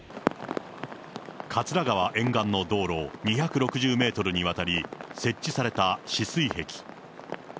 桂川沿岸の道路２６０メートルにわたり、設置された止水壁。